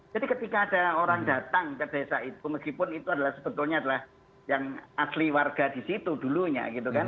jadi ketika ada orang datang ke desa itu meskipun itu adalah sebetulnya adalah yang asli warga di situ dulunya gitu kan